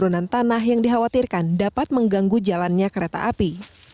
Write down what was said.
penurunan tanah yang dikhawatirkan dapat mengganggu jalannya kereta api